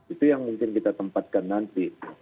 itu yang mungkin kita tempatkan nanti